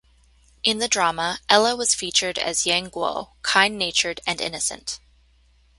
In the drama, Ella was featured as Yang Guo, kind-natured and innocent.